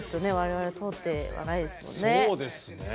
そうですね。